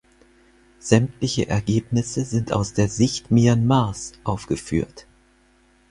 Sämtliche Ergebnisse sind aus der Sicht Myanmars aufgeführt.